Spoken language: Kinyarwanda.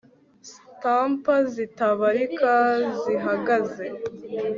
stump zitabarika zihagaze